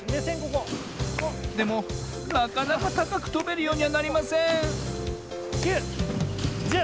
でもなかなかたかくとべるようにはなりません９１０！